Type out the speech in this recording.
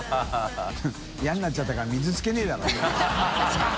なっちゃったから水つけねぇだろ